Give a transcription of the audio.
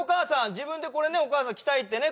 自分でこれねお義母さん着たいってね